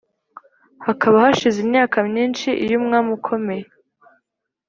hakaba hashize imyaka myinshi iyo umwami ukomeye